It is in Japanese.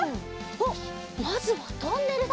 おっまずはトンネルだ。